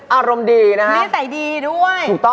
อารมณ์ดีนะฮะ